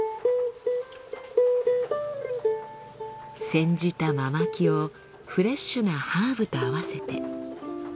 煎じたママキをフレッシュなハーブと合わせて。